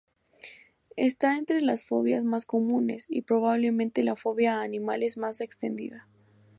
Está entre las fobias más comunes, y probablemente la fobia a animales más extendida.